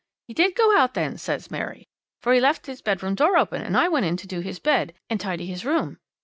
"He did go out then," said Mary, "for he left his bedroom door open and I went in to do his bed and tidy his room."